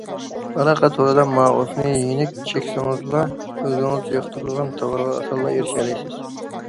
ئالاقە تورىدا مائۇسنى يېنىك چەكسىڭىزلا، ئۆزىڭىز ياقتۇرىدىغان تاۋارغا ئاسانلا ئېرىشەلەيسىز.